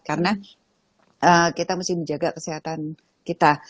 karena kita mesti menjaga kesehatan kita